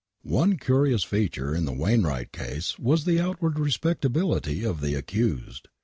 One curious feature in the Wainwright case was the outward respectability of the accused.